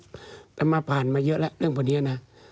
แต่มาผ่านมาเยอะแล้วเรื่องพวกนี้นะ